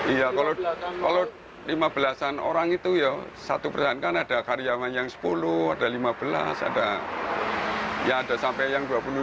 iya kalau lima belasan orang itu ya satu persen kan ada karyawan yang sepuluh ada lima belas ada ya ada sampai yang dua puluh lima ada itu